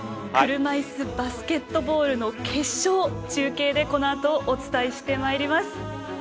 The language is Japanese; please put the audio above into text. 車いすバスケットボールの決勝、中継でこのあとお伝えしてまいります。